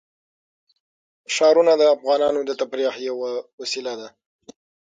ښارونه د افغانانو د تفریح یوه وسیله ده.